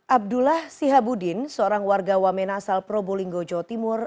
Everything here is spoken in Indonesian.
abdullah sihabudin seorang warga wamena asal probolinggo jawa timur